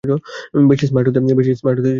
বেশি স্মার্ট হতে চেস্টা করিছ না।